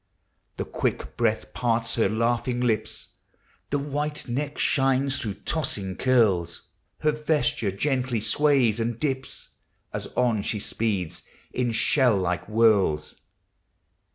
The quick breath parts her laughing lips. The white neck shines through tossing curls; Her vesture gently sways and dips, As on she speeds in shell like whirls.